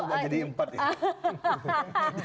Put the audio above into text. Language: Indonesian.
mbak ida jadi empat ya